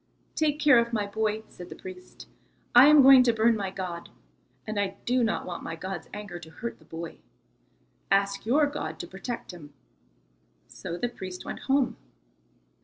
"Take care of my boy," said the priest. "I am going to burn my god, and I do not want my god's anger to hurt the boy. Ask your God to protect him." So the priest went home.